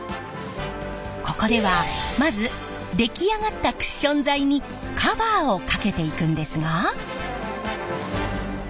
ここではまず出来上がったクッション材にカバーをかけていくんですが。